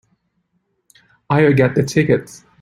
I'll get the tickets.